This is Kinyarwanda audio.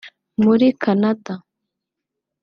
muri Canada